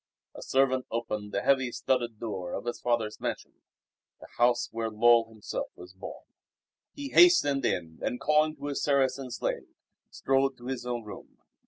A servant opened the heavy, studded door of his father's mansion the house where Lull himself was born. He hastened in and, calling to his Saracen slave, strode to his own room.